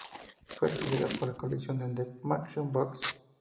Fue recogida para la colección de "The Bachman Books".